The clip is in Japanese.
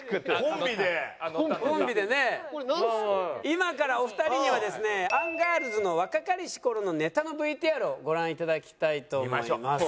今からお二人にはですねアンガールズの若かりし頃のネタのＶＴＲをご覧いただきたいと思います。